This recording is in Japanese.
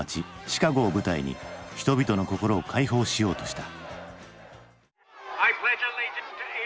シカゴを舞台に人々の心を解放しようとした。